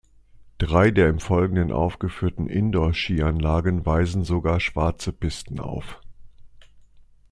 Drei der im Folgenden aufgeführten Indoor-Skianlagen weisen sogar schwarze Pisten auf.